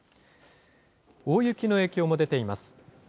大雪の影響も出ています。